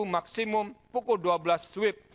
maksimum pukul dua belas wib